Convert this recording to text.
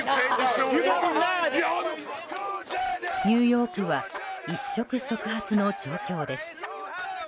ニューヨークは一触即発の状況です。